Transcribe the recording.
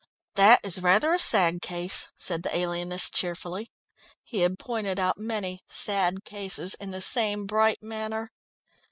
"That is rather a sad case," said the alienist cheerfully. He had pointed out many "sad cases" in the same bright manner.